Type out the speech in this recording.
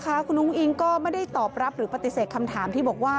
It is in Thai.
คุณอุ้งอิงก็ไม่ได้ตอบรับหรือปฏิเสธคำถามที่บอกว่า